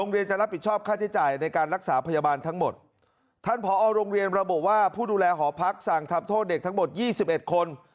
รำบากพักสั่งทำโทษเด็กทั้งหมด๒๑คน